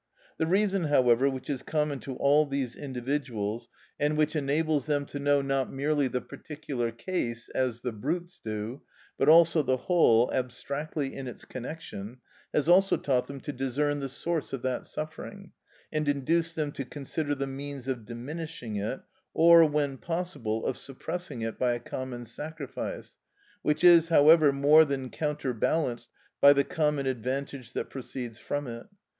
The reason, however, which is common to all these individuals, and which enables them to know not merely the particular case, as the brutes do, but also the whole abstractly in its connection, has also taught them to discern the source of that suffering, and induced them to consider the means of diminishing it, or, when possible, of suppressing it by a common sacrifice, which is, however, more than counterbalanced by the common advantage that proceeds from it.